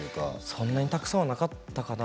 そんなにたくさんなかったですかね。